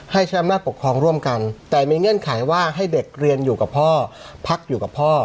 ให้ใช้อำนาจปกครองร่วมกันแต่มีเงื่อนไขว่าให้เด็กเรียนอยู่กับพ่อพักอยู่กับพ่อ